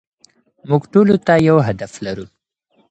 موږ ټولو ته يو هدف لرو.